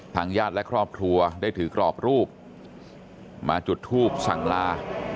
ญาติและครอบครัวได้ถือกรอบรูปมาจุดทูปสั่งลา